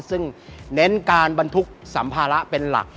ซึ่งเน้นการบรรทุกสัมภาระเป็นหลัก